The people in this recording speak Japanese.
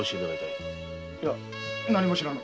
いや何も知らぬ。